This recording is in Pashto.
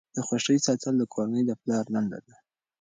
د خوښۍ ساتل د کورنۍ د پلار دنده ده.